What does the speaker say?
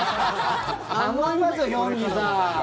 頼みますよヒョンギさん。